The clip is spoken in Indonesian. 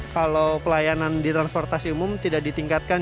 kalau pelayanan di transportasi umum tidak ditingkatkan